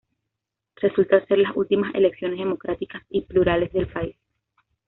Resultan ser las últimas elecciones democráticas y plurales del país.